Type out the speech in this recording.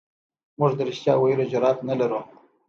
موږ د رښتیا ویلو جرئت نه لرو.